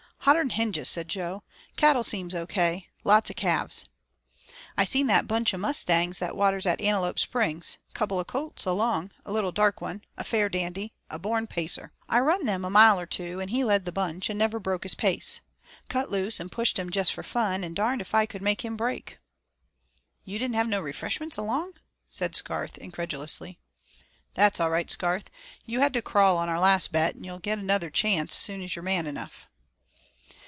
"Hotter'n hinges," said Jo. "Cattle seem O.K.; lots of calves." "I seen that bunch o' mustangs that waters at Antelope Springs; couple o' colts along; one little dark one, a fair dandy; a born pacer. I run them a mile or two, and he led the bunch, an' never broke his pace. Cut loose, an' pushed them jest for fun, an' darned if I could make him break." "You didn't have no reefreshments along?" said Scarth, incredulously. "That's all right, Scarth. You had to crawl on our last bet, an' you'll get another chance soon as you're man enough."